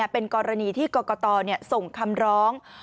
เป็นกรณีที่กรกตส่งคำร้อง